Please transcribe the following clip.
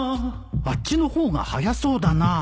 あっちの方が早そうだな